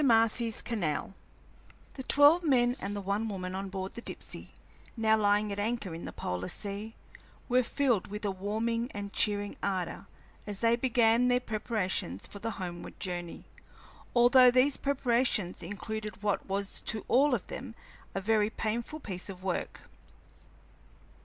MARCY'S CANAL The twelve men and the one woman on board the Dipsey, now lying at anchor in the polar sea, were filled with a warming and cheering ardor as they began their preparations for the homeward journey, although these preparations included what was to all of them a very painful piece of work.